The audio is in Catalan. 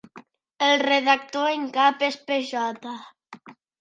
El redactor en cap és P.J.